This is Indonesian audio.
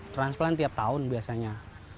transplant tiap tahun biasanya